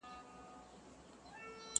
چوروندک له خوشالیه په ګډا سو؛